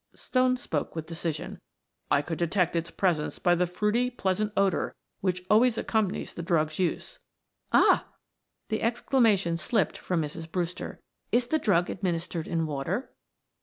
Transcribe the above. Stone spoke with decision. "I could detect its presence by the fruity, pleasant odor which always accompanies the drug's use." "Ah!" The exclamation slipped from Mrs. Brewster. "Is the drug administered in water?"